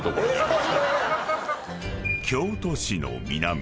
［京都市の南